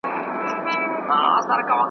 ته به هم بچو ته کیسې وکړې د ځوانۍ ,